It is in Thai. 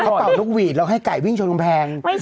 เขาเป่านกหวีดแล้วให้ไก่วิ่งชนกำแพง